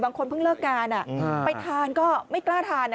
บางคนเพิ่งเลิกการไปทานก็ไม่กล้าทาน